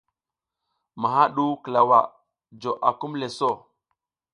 Maha ɗu klawa jo akumle so.